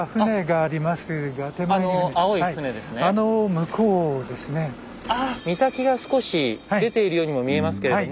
ああ岬が少し出ているようにも見えますけれども。